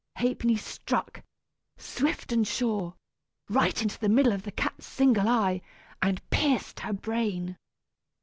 Ha'penny struck, swift and sure, right into the middle of the cat's single eye, and pierced her brain.